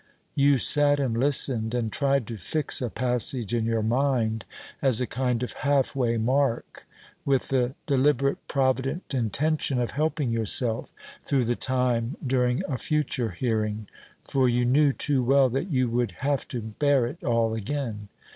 You sat and listened, and tried to fix a passage in your mind as a kind of half way mark, with the deliberate provident intention of helping yourself through the time during a future hearing; for you knew too well that you would have to bear it all again.